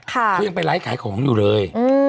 เขายังไปไลฟ์ขายของอยู่เลย